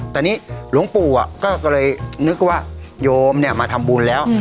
แต่นี่หลวงปู่ก็เลยนึกว่าโยมมาทำบุญแล้ว